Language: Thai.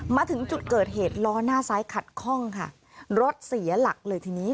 มาถึงจุดเกิดเหตุล้อหน้าซ้ายขัดคล่องค่ะรถเสียหลักเลยทีนี้